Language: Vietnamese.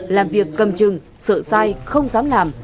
làm việc cầm chừng sợ sai không dám làm